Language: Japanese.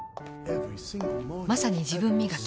まさに自分磨き。